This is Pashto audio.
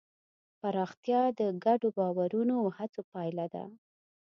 پراختیا د ګډو باورونو او هڅو پایله ده.